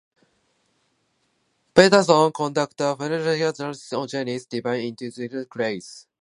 Patterson conducted a phylogenetic analysis of the genus, dividing it into seven main clades.